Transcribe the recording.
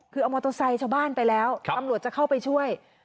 คือเอามอเตอร์ไซค์ชาวบ้านไปแล้วตำรวจจะเข้าไปช่วย